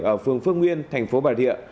ở phường phước nguyên thành phố bà rịa